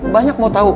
banyak mau tau